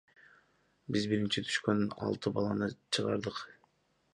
Биз биринчи түшкөн алты баланы чыгардык.